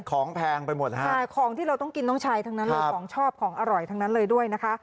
แพงไปหมดนะฮะใช่ของที่เราต้องกินต้องใช้ทั้งนั้นเลยของชอบของอร่อยทั้งนั้นเลยด้วยนะคะ